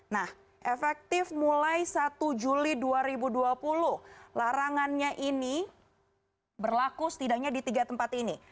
nah efektif mulai satu juli dua ribu dua puluh larangannya ini berlaku setidaknya di tiga tempat ini